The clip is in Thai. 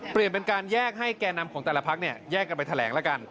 เปลี่ยนเป็นการแยกให้แก่นำของแต่ละพักแยกกันไปแถลงแล้วกัน